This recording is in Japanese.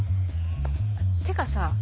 ってかさ